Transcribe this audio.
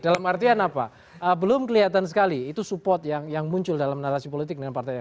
dalam artian apa belum kelihatan sekali itu support yang muncul dalam narasi politik dengan partai